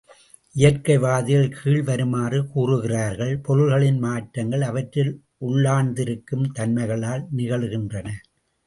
இயற்கை வாதிகள் கீழ் வருமாறு கூறுகிறார்கள் பொருள்களின் மாற்றங்கள் அவற்றில் உள்ளார்ந்திருக்கும் தன்மைகளால் நிகழுகின்றன.